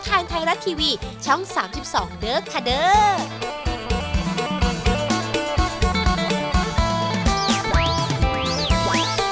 ทางไทยรัททีวีช่อง๓๒เดิร์กค่ะเด้อ